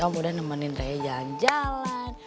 om udah nemenin raya jalan jalan